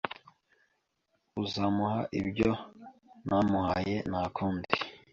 uzamuha ibyo ntamuhaye ntakundi